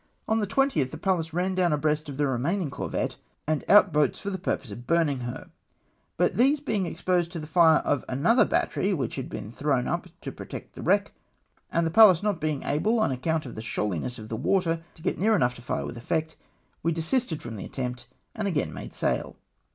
On the 20th the Pallas ran down abreast of the remaining corvette, and out boats for the purpose of burning her ; but these being exposed to the fire of another battery which had been thrown up to pro tect the wreck, and the Pallas not bemg able, on ac count of the shoahness of the water, to get near enough to fire with effect, we desisted from the attempt, and again made sail.